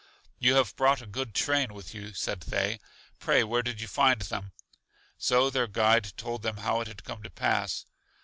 You have brought a good train with you, said they. Pray, where did you find them? So their guide told them how it had come to pass.